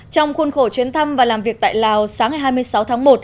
trong khuôn khổ chuyến thăm và làm việc tại lào sáng ngày hai mươi sáu tháng một